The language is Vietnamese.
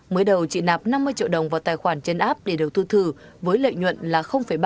mới đầu chị nạp năm mươi triệu đồng vào tài khoản trên app để đầu tư thử với lợi nhuận là ba